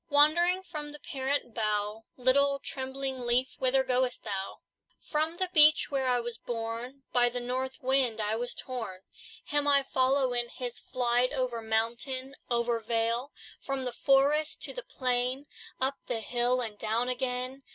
Wandering from the parent bough, Little, trembling leaf, Whither goest thou? "From the beech, where I was born, By the north wind was I torn. Him I follow in his flight, Over mountain, over vale, From the forest to the plain, Up the hill, and down again.